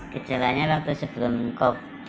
gejalanya waktu sebelum covid sembilan belas